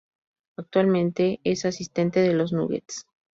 Actualmente, es asistente de los Nuggets.